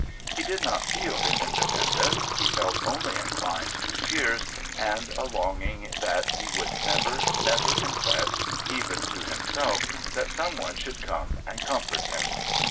He did not feel his independence he felt only inclined to tears and a longing, that he would never, never confess, even to himself, that someone should come and comfort him!